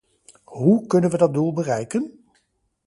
Hoe kunnen we dat doel bereiken?